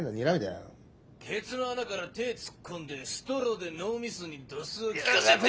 ケツの穴から手ぇ突っ込んでストローで脳みそにドスを利かせて。